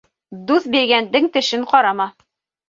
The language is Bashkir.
Дуҫ биргәндең тешен ҡарама.